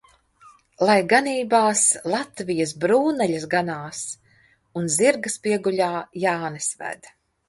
Lai ganībās Latvijas brūnaļas ganās un zirgus pieguļā Jānis ved.